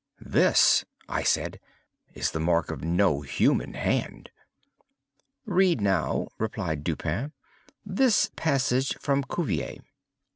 "This," I said, "is the mark of no human hand." "Read now," replied Dupin, "this passage from Cuvier."